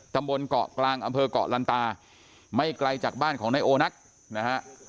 ตำบลเกาะกลางอำเภอกเกาะลันตาไม่ไกลจากบ้านของนายโอนักนะฮะ